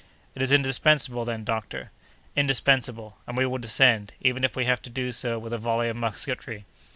"It is indispensable, then, doctor?" "Indispensable; and we will descend, even if we have to do so with a volley of musketry."